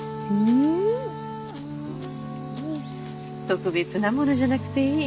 特別なものじゃなくていい。